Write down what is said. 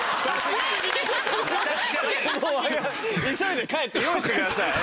急いで帰って用意してください。